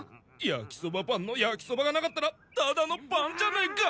焼きそばパンの焼きそばがなかったらただのパンじゃねえか！